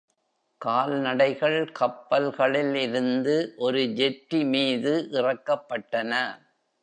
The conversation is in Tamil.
கால்நடைகள் கப்பல்களில் இருந்து ஒரு jetty மீது இறக்கப்பட்டன.